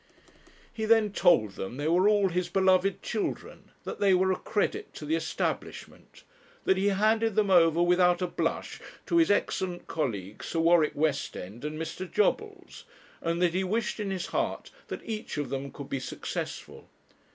He then told them they were all his beloved children; that they were a credit to the establishment; that he handed them over without a blush to his excellent colleagues, Sir Warwick Westend and Mr. Jobbles, and that he wished in his heart that each of them could be successful.